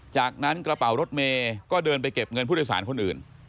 จากนั้นกระเป๋ารถเมย์ก็เดินไปเก็บเงินผู้โดยสารคนอื่น